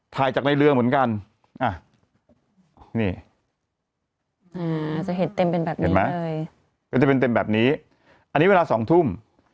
ถ่ายจากในเรือเหมือนกันนี่จะเห็นเต็มเป็นแบบนี้เห็นไหมก็จะเป็นเต็มแบบนี้อันนี้เวลา๒ทุ่ม